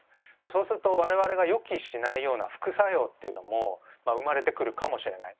そうすると我々が予期しないような副作用っていうのも生まれてくるかもしれない。